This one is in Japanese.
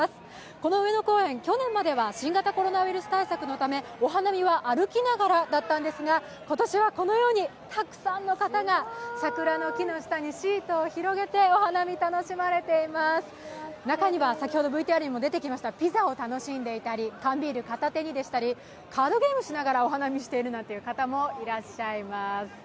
この上野公園、去年までは新型コロナウイルス対策のため、お花見は歩きながらだったんですが今年はこのようにたくさんの方が桜の木の下にシートを広げてお花見、楽しまれています、中には先ほどＶＴＲにも出てきましたピザを楽しんでいたり、缶ビール片手にでしたりカードゲームをしながらお花見をしている方もいらっしゃいます。